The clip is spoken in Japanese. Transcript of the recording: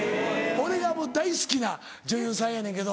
俺がもう大好きな女優さんやねんけど。